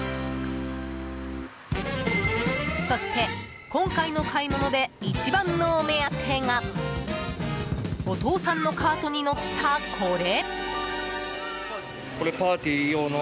そして、今回の買い物で一番のお目当てがお父さんのカートに載った、これ。